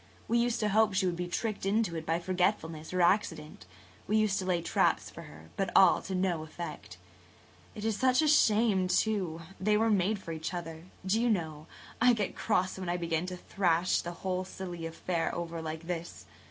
We used to hope she would be tricked into it by forgetfulness or accident–we used to lay traps for her–but all to no effect. It is such a shame, too. They were made for each other. Do you [Page 143] know, I get cross when I begin to thrash the whole silly affair over like this.